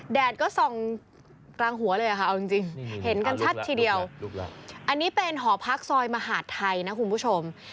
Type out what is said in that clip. แดดก็ส่องกลางหัวเลยค่ะเอาจริงเห็นกันชัดทีเดียวอันนี้เป็นหอพักซอยมหาดไทยนะคุณผู้ชม